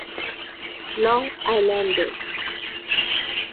Long Island A.